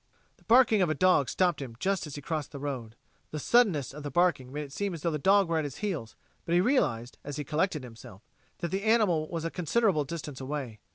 The barking of a dog stopped him just as he crossed the road. The suddenness of the barking made it seem as though the dog were at his heels, but he realized, as he collected himself, that the animal was a considerable distance away.